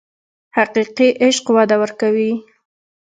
حقیقي عشق وده ورکوي.